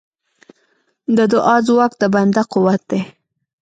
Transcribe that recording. د دعا ځواک د بنده قوت دی.